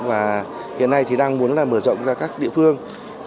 và hiện nay đang muốn mở rộng ra các địa phương